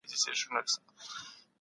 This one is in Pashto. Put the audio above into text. موږ یوازې هڅه کوو.